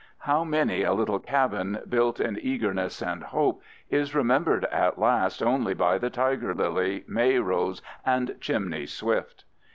How many a little cabin, built in eagerness and hope, is remembered at last only by the tiger lily, May rose, and chimney swift!